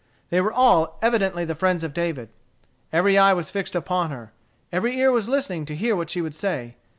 They were all evidently the friends of David. Every eye was fixed upon her. Every ear was listening to hear what she would say.